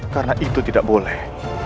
karena itu tidak boleh